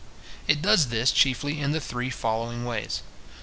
It does this chiefly in the three following ways.